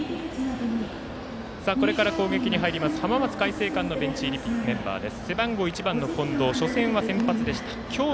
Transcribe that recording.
これから攻撃に入ります浜松開誠館のベンチ入りメンバーです。